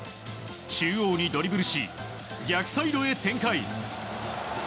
中央にドリブルし逆サイドへ展開。